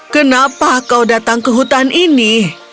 kenapa kau datang ke hutan ini